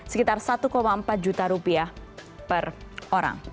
sekitar satu empat juta rupiah per orang